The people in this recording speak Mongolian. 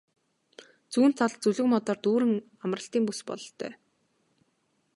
Зүүн талд зүлэг модоор дүүрэн амралтын бүс бололтой.